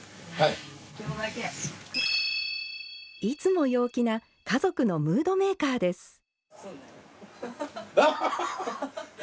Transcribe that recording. いつも陽気な家族のムードメーカーです。